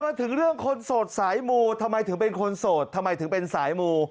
มาถึงเรื่องคนโสดสายมูทำไมถึงเป็นคนโสดทำไมถึงเป็นสายมู